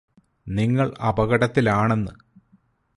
നിങ്ങള് അപകടത്തിലാണെന്ന്